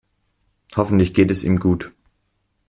Hoffentlich geht es ihm gut.